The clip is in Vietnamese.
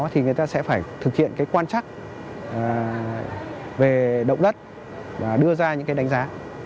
thì người ta sẽ phải thực hiện cái quan trắc về động đất và đưa ra những cái đánh giá